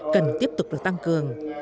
cần tiếp tục được tăng cường